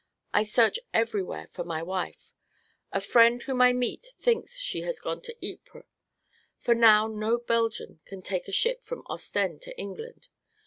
I search everywhere for my wife. A friend whom I meet thinks she has gone to Ypres, for now no Belgian can take ship from Ostend to England.